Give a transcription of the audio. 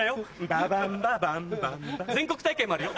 ババンババンバンバン全国大会もあるよ。